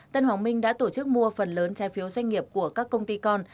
tân hoàng minh đã tổ chức mua phần lớn trái phiếu doanh nghiệp của các công ty con